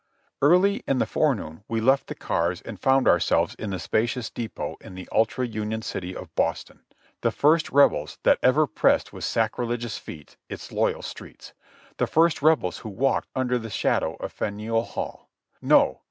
Early in the forenoon we left the cars and found ourselves in the spacious depot in the ultra Union city of Boston, the first Rebels that ever pressed with sacrilegious feet its loyal streets ; the first Rebels who walked under the shadow of Faneuil Hall. No